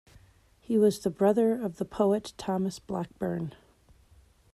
He was the brother of the poet Thomas Blackburn.